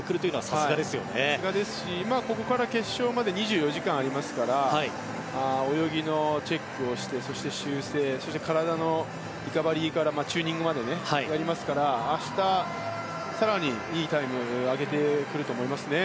さすがですしここから決勝まで２４時間ありますから泳ぎのチェックをして修正体のリカバリーからチューニングまでやりますから明日、更にいいタイム上げてくると思いますね。